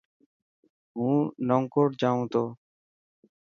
هون نئون ڪوٽ جائون تو.